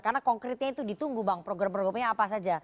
karena konkretnya itu ditunggu bang program programnya apa saja